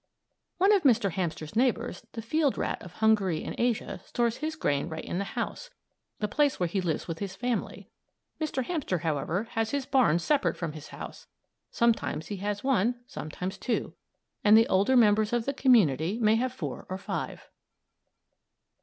One of Mr. Hamster's neighbors, the field rat of Hungary and Asia, stores his grain right in the house the place where he lives with his family. Mr. Hamster, however, has his barns separate from his home. Sometimes he has one, sometimes two; and the older members of the community may have four or five.